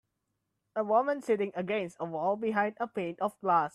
A woman sitting against a wall behind a pane of glass.